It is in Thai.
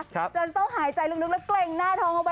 เราจะต้องหายใจลึกและเกร็งหน้าท้องออกไป